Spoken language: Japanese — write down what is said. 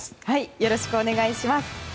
よろしくお願いします。